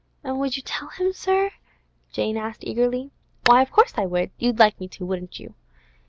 'And would you tell him, sir,' Jane asked eagerly. 'Why, of course I would. You'd like me to, wouldn't you?